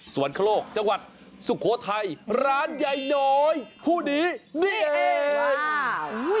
สวรรคโลกจังหวัดสุโขทัยร้านใหญ่หน่อยผู้ดีนี่เอง